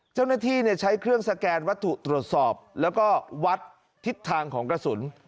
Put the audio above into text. เจ้าหน้าที่ใช้เครื่องสแกนวัตถุตรวจสอบแล้วก็วัดทิศทางของกระสุน